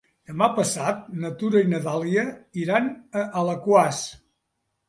Demà passat na Tura i na Dàlia iran a Alaquàs.